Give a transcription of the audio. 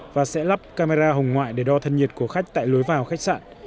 và sẽ lắp camera hồng ngoại để đo thân nhiệt của khách tại lối vào khách sạn